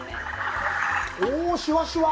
おー、シュワシュワ。